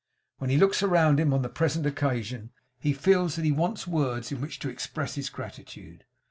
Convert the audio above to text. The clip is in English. When he looks around him on the present occasion, he feels that he wants words in which to express his gratitude.